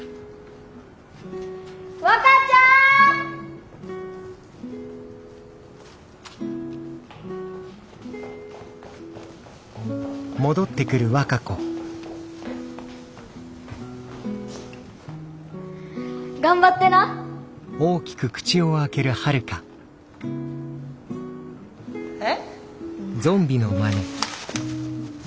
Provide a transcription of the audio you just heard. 和歌ちゃん！・頑張ってな。え？